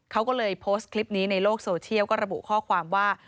เขาก็เลยโพสต์คลิปนี้ในโลกโซเชียลก็ระบุข้อความว่า